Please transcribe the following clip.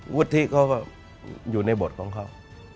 วุฒิเขาก็อยู่ในบทของเขา